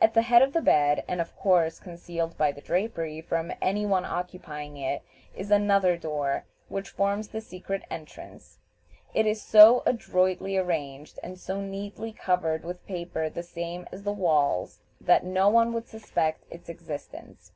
At the head of the bed, and of course concealed by the drapery from any one occupying it, is another door, which forms the secret entrance. It is so adroitly arranged, and so neatly covered with paper the same as the walls, that no one would suspect its existence.